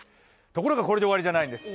ところがこれで終わりじゃないんです。